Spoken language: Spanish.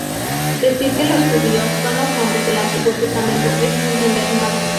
Decir que los judíos son los hombres del antiguo testamento es no entender nada.